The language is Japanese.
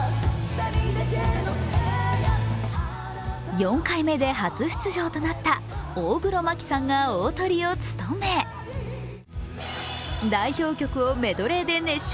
４回目で初出場となった大黒摩季さんが大トリを務め代表曲をメドレーで熱唱。